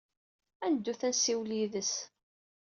Ad neddut ad nessiwel yid-s.